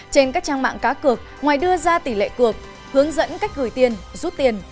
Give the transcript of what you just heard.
trên các trang mạng cá cược ngoài đưa ra tỷ lệ cược hướng dẫn cách gửi tiền rút tiền